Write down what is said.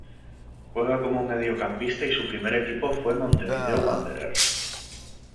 Juega como mediocampista y su primer equipo fue Montevideo Wanderers.